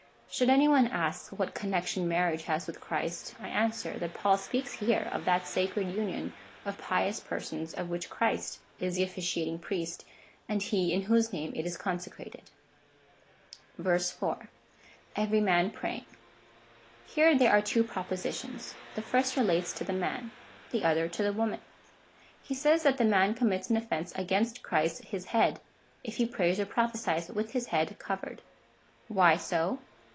Should any one K ask, what connection marriage has with Christ, I answer, that Paul speaks here of that sacred union of pious persons, of which Christ is the officiating priest,^ and He in whose name it is consecrated. 4. Every man praying. Here there are two propositions. The first relates to the man, the other to the woman. He says that the ma7i commits an offence against Christ his head, if he prays or prophesies with his head covered. Why so